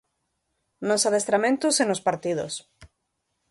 Nos adestramentos e nos partidos.